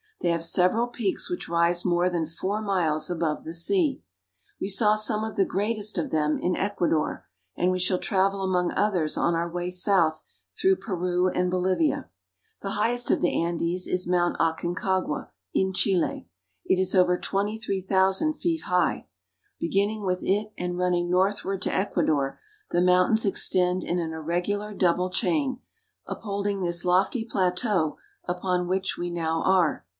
They have several peaks which rise more than four miles above the sea. We saw some of the greatest of them in Ecuador, and we shall travel among others on our way south through Peru and Bolivia. Peru and Bolivia, The highest of the Andes is Mount Aconcagua (a cOn ca^gua), in Chile. It is over 23,000 feet high. Beginning with it and running northward to Ecuador, the mountains extend in an irregular double chain, upholding this lofty plateau upon which we now are.